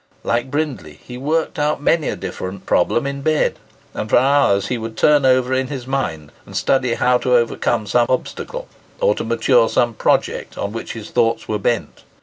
Like Brindley, he worked out many a difficult problem in bed; and for hours he would turn over in his mind and study how to overcome some obstacle, or to mature some project, on which his thoughts were bent.